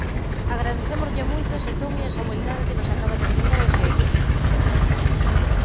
Agradecémoslle moito ese ton e esa humildade que nos acaba de brindar hoxe aquí.